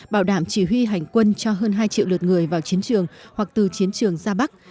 bảo đảm chỉ huy hành quân cho hơn hai triệu lượt người vào chiến trường hoặc từ chiến trường ra bắc